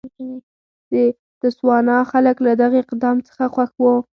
د تسوانا خلک له دغه اقدام څخه خوښ وو.